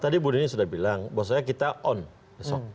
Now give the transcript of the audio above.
tadi bu deni sudah bilang bahwasanya kita on besok